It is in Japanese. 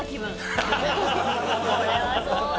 これはそうだ。